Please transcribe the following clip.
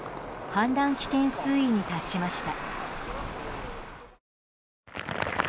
氾濫危険水位に達しました。